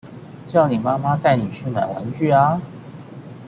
叫你媽媽帶你去買玩具啊